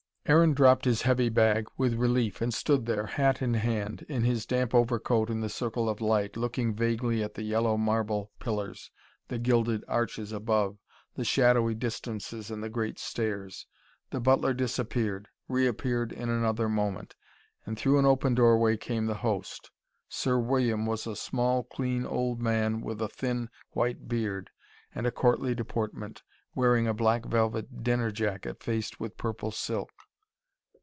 Aaron dropped his heavy bag, with relief, and stood there, hat in hand, in his damp overcoat in the circle of light, looking vaguely at the yellow marble pillars, the gilded arches above, the shadowy distances and the great stairs. The butler disappeared reappeared in another moment and through an open doorway came the host. Sir William was a small, clean old man with a thin, white beard and a courtly deportment, wearing a black velvet dinner jacket faced with purple silk.